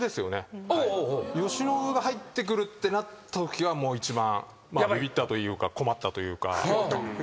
由伸が入ってくるってなったときは一番ビビったというか困ったというか。